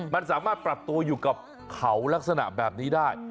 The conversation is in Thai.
มันสามารถปรับตัวอยู่กับเขาลักษณะแบบนี้ได้